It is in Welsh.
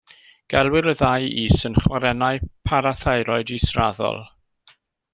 Gelwir y ddau is yn chwarennau parathyroid israddol.